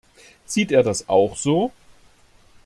Sieht er das auch so?